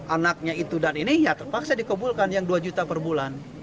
anaknya itu dan ini ya terpaksa dikumpulkan yang dua juta per bulan